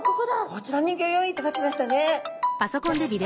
こちらにギョ用意いただきましたね。